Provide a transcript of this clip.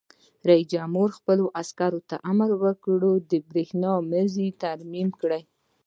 رئیس جمهور خپلو عسکرو ته امر وکړ؛ د برېښنا مزي ترمیم کړئ!